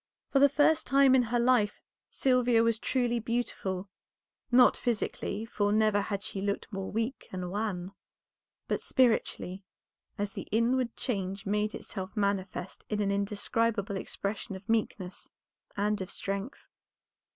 For the first time in her life Sylvia was truly beautiful, not physically, for never had she looked more weak and wan, but spiritually, as the inward change made itself manifest in an indescribable expression of meekness and of strength.